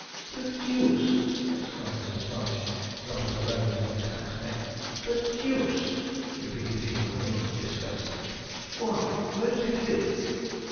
"' 'The deuce!' exclaimed Mr. Sponge, dropping the reins on his hack's neck; 'the deuce!' repeated he with a look of disgust. 'Why, where does he live?'